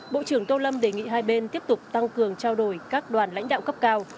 bộ trưởng tô lâm đề nghị hai bên tiếp tục tăng cường trao đổi các đoàn lãnh đạo cấp cao